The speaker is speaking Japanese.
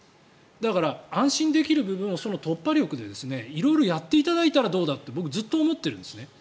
だから、安心できる部分をその突破力で色々やっていただいたらどうだって僕ずっと思ってるんですね。